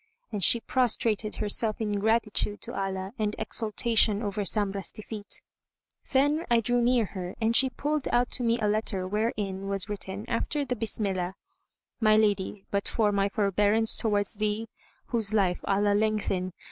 And she prostrated herself in gratitude to Allah and exultation over Zamrah's defeat. Then I drew near her, and she pulled out to me a letter, wherein was written, after the Bismillah, "My lady, but for my forbearance towards thee (whose life Allah lengthen!)